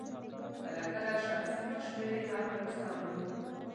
کله کله شخصي مشورې هم راڅخه غواړي.